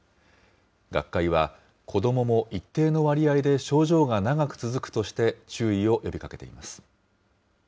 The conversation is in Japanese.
学会は、子どもも一定の割合で症状が長く続くとして注意を呼びかけています。